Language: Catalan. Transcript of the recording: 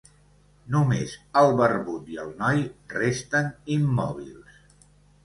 Només el barbut i el noi resten immòbils.